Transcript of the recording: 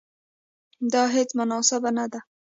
دا هیڅ مناسبه نه ده.